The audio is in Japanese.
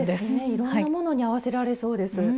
いろんなものに合わせられそうです。